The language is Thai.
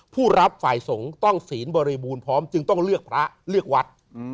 ผู้รับฝ่ายสงฆ์ต้องศีลบริบูรณ์พร้อมจึงต้องเลือกพระเลือกวัด